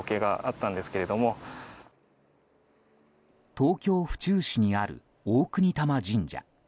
東京・府中市にある大國魂神社。